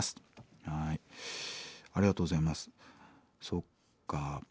そっか。